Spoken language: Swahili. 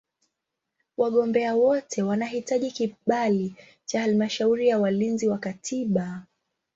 Wagombea wote wanahitaji kibali cha Halmashauri ya Walinzi wa Katiba.